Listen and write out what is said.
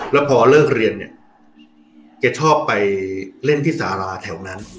แล้วพอเลิกเรียนเนี่ยแกชอบไปเล่นที่สาราแถวนั้น